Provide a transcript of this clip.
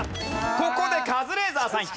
ここでカズレーザーさんいった。